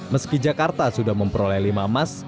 meski jakarta sudah memperoleh lima emas